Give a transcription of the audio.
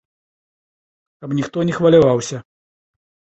Каб ніхто не хваляваўся.